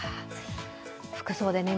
服装でね